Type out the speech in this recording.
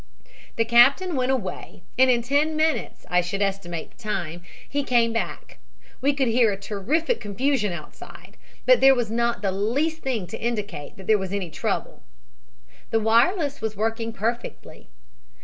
"The captain went away and in ten minutes, I should estimate the time, he came back. We could hear a terrific confusion outside, but there was not the least thing to indicate that there was any trouble. The wireless was working perfectly.